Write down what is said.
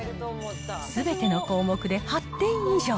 すべての項目で８点以上。